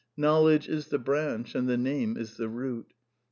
Knowledge is the branch, and the Name is the root.